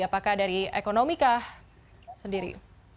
apakah dari ekonomi kah sendiri